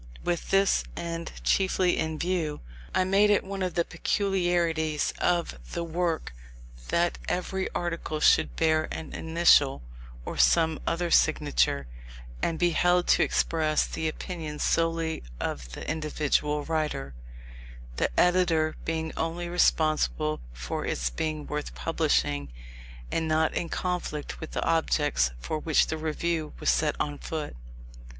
With this end chiefly in view, I made it one of the peculiarities of the work that every article should bear an initial, or some other signature, and be held to express the opinions solely of the individual writer; the editor being only responsible for its being worth publishing and not in conflict with the objects for which the Review was set on foot.